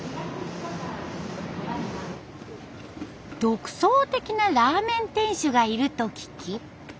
独創的なラーメン店主がいると聞き。